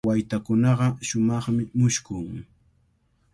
Waytakunaqa shumaqmi mushkun.